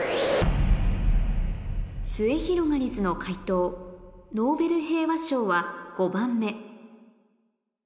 すゑひろがりずの解答「ノーベル平和賞は５番目」